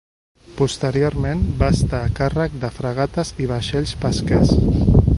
Posteriorment va estar a càrrec de fragates i vaixells pesquers.